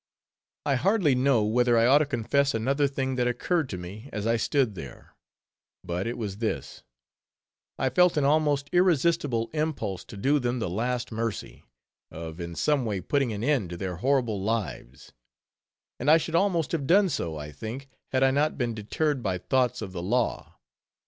I hardly know whether I ought to confess another thing that occurred to me as I stood there; but it was this—I felt an almost irresistible impulse to do them the last mercy, of in some way putting an end to their horrible lives; and I should almost have done so, I think, had I not been deterred by thoughts of the law.